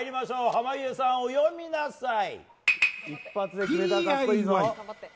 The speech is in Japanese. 濱家さん、お詠みなさい！